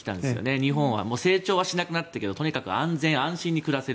日本は成長はしなくなったけどとにかく安全安心に暮らせる。